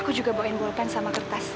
aku juga bawain bolpen sama kertas